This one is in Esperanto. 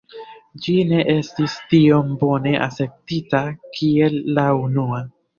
Ĝi ne estis tiom bone akceptita kiel la unua.